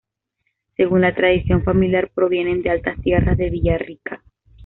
Según la tradición familiar provienen de altas tierras de Villarrica.